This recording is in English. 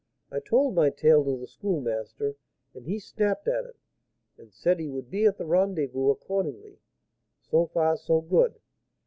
I told my tale to the Schoolmaster and he snapped at it, and said he would be at the rendezvous accordingly. So far so good.